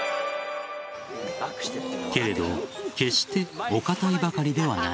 けれど決してお堅いばかりではない。